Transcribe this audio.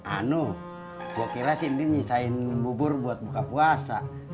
anu gua kira si indi nyisain bubur buat buka puasa